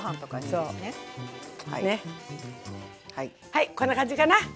はいこんな感じかな。